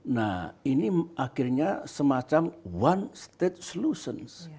nah ini akhirnya semacam one state solutions